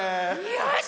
よし！